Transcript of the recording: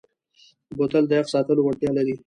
بوتل د یخ ساتلو وړتیا لري.